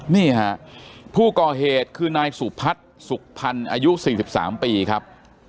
นี่ฮะผู้ก่อเหตุคือนายสุพัฒน์สุขพันธ์อายุ๔๓ปีครับ